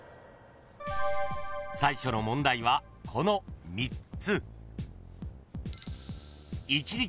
［最初の問題はこの３つ］